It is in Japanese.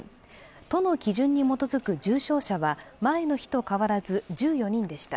都の基準に基づく重症者は前の日と変わらず１４人でした。